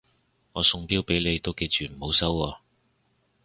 我送錶俾你都記住唔好收喎